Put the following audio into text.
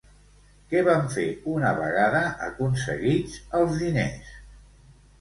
Què van fer una vegada aconseguits els diners?